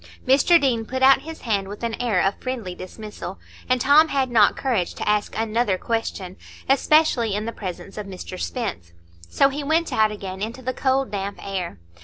Mr Deane put out his hand, with an air of friendly dismissal, and Tom had not courage to ask another question, especially in the presence of Mr Spence. So he went out again into the cold damp air.